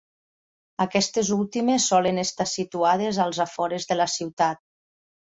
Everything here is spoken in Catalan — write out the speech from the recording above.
Aquestes últimes solen estar situades als afores de la ciutat.